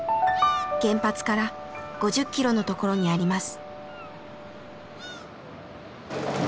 原発から５０キロのところにあります。